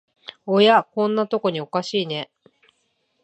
おや、こんなとこにおかしいね